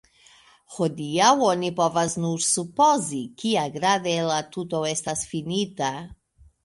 Hodiaŭ oni povas nur supozi, kiagrade la tuto estas finita.